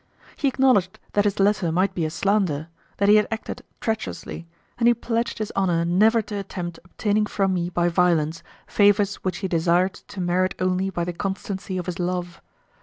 He acknowledged that his letter might be a slander, that he had acted treacherously, and he pledged his honour never to attempt obtaining from me by violence favours which he desired to merit only by the constancy of his love.